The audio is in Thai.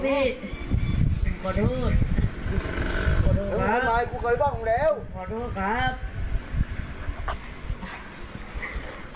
ผมขอโทษขอโทษพี่ขอโทษขอโทษครับขอโทษครับ